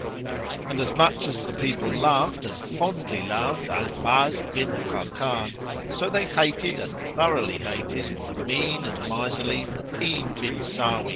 And as much as the people loved and fondly loved Al Fazl bin Khákán, so they hated and thoroughly hated the mean and miserly Mu'ín bin Sáwí.